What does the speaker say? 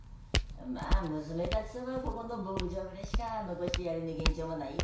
まあ娘たちさはここの牧場ぐれえしか残してやれねえげんちょもない。